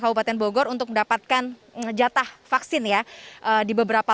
kabupaten bogor untuk mendapatkan jatah vaksin ya di beberapa